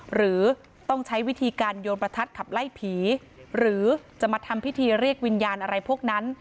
หรือต้องใช้วิธีการโยนประทัดขับไล่ผีหรือจะมาทำพิธีเรียกวิญญาณอะไรพวกนั้น